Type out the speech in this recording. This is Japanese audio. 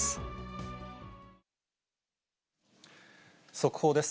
速報です。